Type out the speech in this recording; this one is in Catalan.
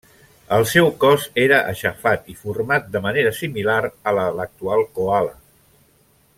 El seu cos era aixafat i format de manera similar a la de l'actual coala.